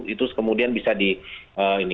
itu kemudian bisa di